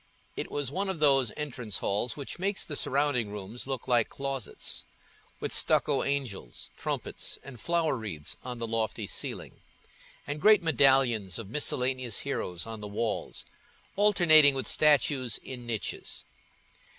It was one of those entrance halls which make the surrounding rooms look like closets—with stucco angels, trumpets, and flower wreaths on the lofty ceiling, and great medallions of miscellaneous heroes on the walls, alternating with statues in niches.